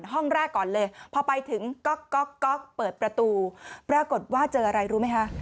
ห้องแรกก่อนเลยพอไปถึงก็ก๊อกเปิดประตูปรากฏว่าเจออะไรรู้ไหมคะ